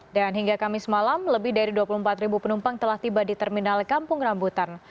dan hingga kamis malam lebih dari dua puluh empat penumpang telah tiba di terminal kampung rambutan